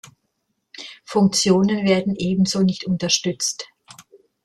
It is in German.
Funktionen werden ebenso nicht unterstützt.